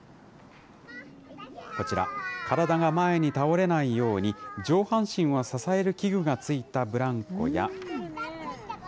こちら、体が前に倒れないように、上半身を支える器具が付いたブランコや。